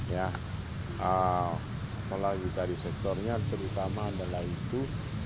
ya apalagi dari sektornya terutama adalah itu